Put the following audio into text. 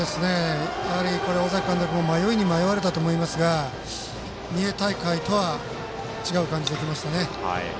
やはり、尾崎監督も迷いに迷われたと思いますが三重大会とは違う感じで来ましたね。